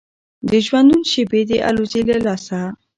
د ژوندون شېبې دي الوزي له لاسه